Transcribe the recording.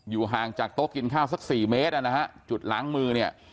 ห่างจากโต๊ะกินข้าวสักสี่เมตรนะฮะจุดล้างมือเนี่ย